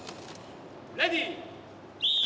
レディー。